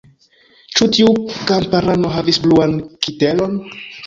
Ĉu tiu kamparano havis bluan kitelon?